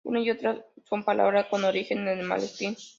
Una y otra son palabras con origen en el malespín.